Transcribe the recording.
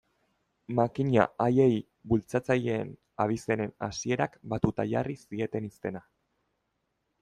Makina haiei bultzatzaileen abizenen hasierak batuta jarri zieten izena.